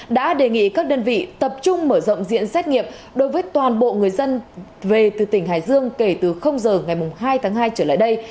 đã đề nghị các đơn vị tập trung mở rộng diện xét nghiệm đối với toàn bộ người dân về từ tỉnh hải dương kể từ giờ ngày hai tháng hai trở lại đây